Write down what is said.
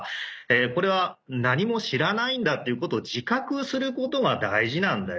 これは何も知らないんだっていうことを自覚することが大事なんだよ。